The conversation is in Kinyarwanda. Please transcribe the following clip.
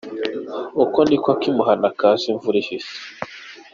Ako ni akimuhana kaza imvura ihise.